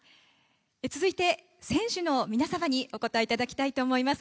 続いて、選手の皆様にお答えいただきたいと思います。